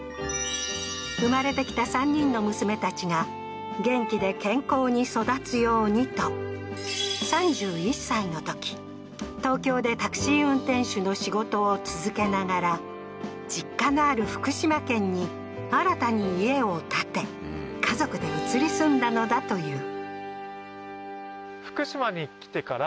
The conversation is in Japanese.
生まれてきた３人の娘たちが、元気で健康に育つようにと、３１歳のとき、東京でタクシー運転手の仕事を続けながら、実家のある福島県に新たに家を建て、家族で移り住んだのだという。